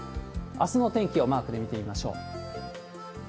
あすの天気をマークで見てみましょう。